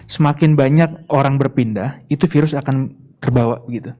semakin banyak orang berpindah itu virus akan terbawa